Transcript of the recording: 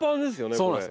そうなんです。